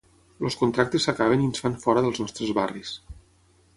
Els contractes s’acaben i ens fan fora dels nostres barris.